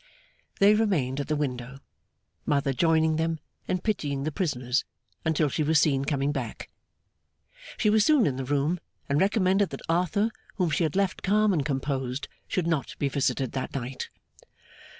They remained at the window, Mother joining them and pitying the prisoners, until she was seen coming back. She was soon in the room, and recommended that Arthur, whom she had left calm and composed, should not be visited that night.